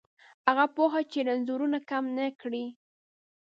هغه پوهه چې رنځونه کم نه کړي